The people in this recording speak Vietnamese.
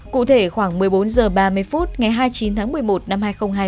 cụ thể khoảng một mươi bốn h ba mươi phút ngày hai mươi chín tháng một mươi một năm hai nghìn hai mươi